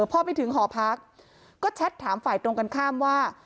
พอไปถึงหอพักก็แชทถามฝ่ายตรงกันข้ามว่า